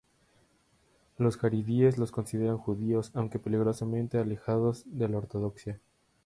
Los jaredíes los consideran judíos, aunque peligrosamente alejados de la ortodoxia.